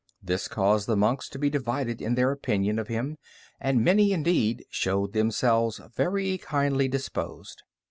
This caused the monks to be divided in their opinion of him, and many, indeed, showed themselves very kindly disposed.